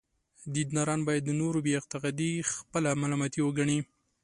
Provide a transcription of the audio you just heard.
دینداران باید د نورو بې اعتقادي خپله ملامتي وګڼي.